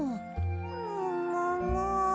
ももも。